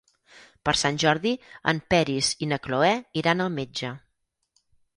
Per Sant Jordi en Peris i na Cloè iran al metge.